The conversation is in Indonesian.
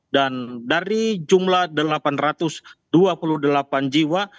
dan dari jumlah delapan ratus dua puluh delapan jiwa